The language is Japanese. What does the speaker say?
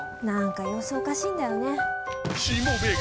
何か様子おかしいんだよね。